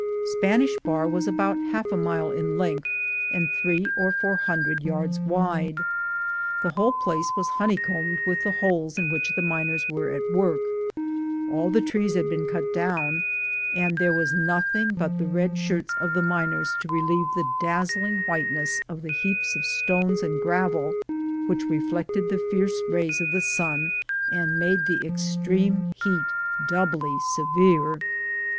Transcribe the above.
Spanish Bar v/as about half a mile in length, and three or four hundred yards wide. The whole place was honeycombed with the holes in which the miners were at work; all the trees had been cut down, and there was nothing but the red shirts of the miners to relieve the dazzling whiteness of the heaps of stones and gravel which reflected the fierce rays of the sun and made the extreme heat doubly severe.